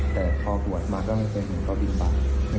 แต่พอปวดมาก็ไม่เคยเห็นเขาบินปาก